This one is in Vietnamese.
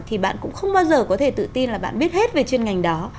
thì bạn cũng không bao giờ có thể tự tin là bạn biết hết về chuyên ngành đó